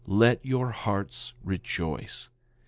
Let your hearts rejoice.